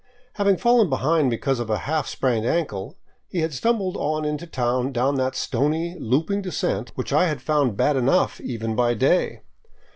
Having fallen behind because of a half sprained ankle, he had stum bled on into town down that stony, looping descent which I had found bad enough even by day.